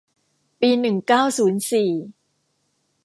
ปีหนึ่งเก้าศูนย์สี่